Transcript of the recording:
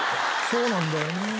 そうなんだよね。